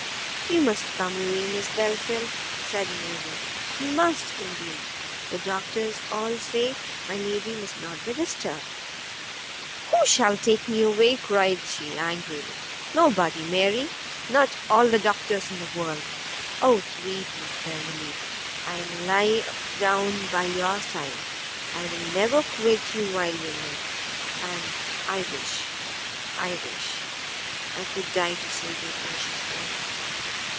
"You must come away, Miss Belfield," said Mary, "you must indeed, the doctors all say my lady must not be disturbed." "Who shall take me away?" cried she, angrily, "nobody Mary! not all the doctors in the world! Oh sweet Miss Beverley! I will lie down by your side, I will never quit you while you live, and I wish, I wish I could die to save your precious life!"